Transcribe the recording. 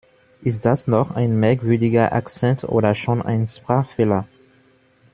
Ist das noch ein merkwürdiger Akzent oder schon ein Sprachfehler?